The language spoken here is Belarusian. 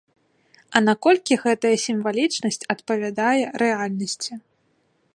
А наколькі гэтая сімвалічнасць адпавядае рэальнасці?